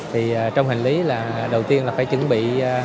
thì trong hành lý là đầu tiên là phải chuẩn bị